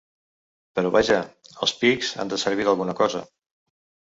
…Però vaja, els pics han de servir d’alguna cosa.